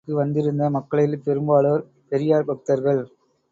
கூட்டடத்திற்கு வந்திருந்த மக்களில் பெரும்பாலோர் பெரியார் பக்தர்கள்.